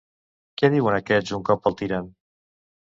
Què diuen aquests un cop el tiren?